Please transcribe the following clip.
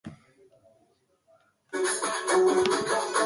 Gaztandegi handientzat benetako arazo bihurtu da.